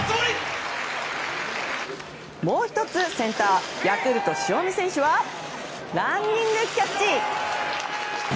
もう１つ、センターヤクルト、塩見選手はランニングキャッチ！